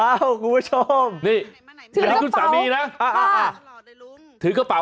อ้าวกูมาชมนี่มายังไม่เอาคุณสามีนะอะถือกระเป๋า